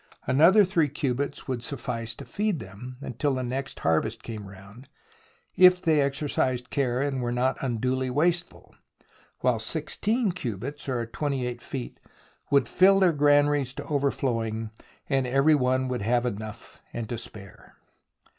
Another 3 cubits would suffice to feed them until the next harvest came round, if they exercised care and were not unduly wasteful, while 16 cubits, or 28 feet, would fill their granaries to overflowing, and every one would have enough and to spare.